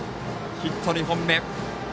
ヒット２本目。